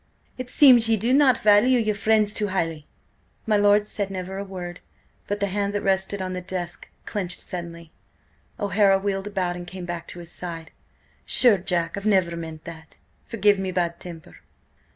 "It seems ye do not value your friends too highly!" My lord said never a word. But the hand that rested on the desk clenched suddenly. O'Hara wheeled about and came back to his side. "Sure, Jack, I never meant that! Forgive me bad temper!"